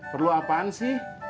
perlu apaan sih